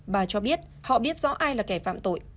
bà cho biết họ biết rõ ai là kẻ phạm tội